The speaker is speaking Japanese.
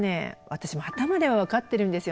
私も頭では分かってるんですよ